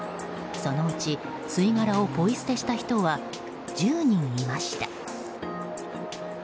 そのうち、吸い殻をポイ捨てした人は１０人いました。